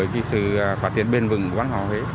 từ phát triển bền vừng của văn hóa huế